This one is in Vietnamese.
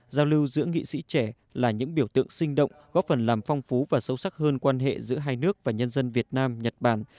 giao lưu giữa nghị sĩ trẻ là những biểu tượng sinh động góp phần làm phong phú và sâu sắc hơn quan hệ giữa hai nước và nhân dân việt nam nhật bản